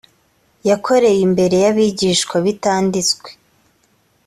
yakoreye imbere y abigishwa bitanditswe